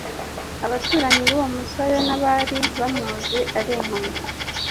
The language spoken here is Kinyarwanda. Abaturanyi b'uwo musore n'abari bamuzi ari impumyi